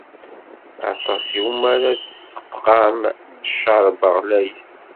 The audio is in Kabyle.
Aṭas iwumi ara d-tesqam ccerba ɣlayet.